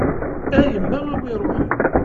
A yemma a wi iruḥen.